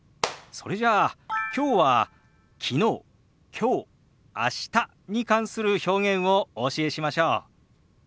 それじゃあきょうは昨日きょう明日に関する表現をお教えしましょう。